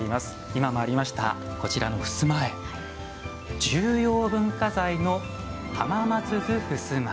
今もありましたこちらのふすま絵、重要文化財の「濱松図襖」。